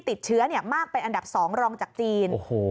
ติดเชื้อมากเป็นอันดับ๒รองจากจีน